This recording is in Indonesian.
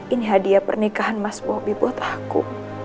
ini hadiah pernikahan mas bobi buat aku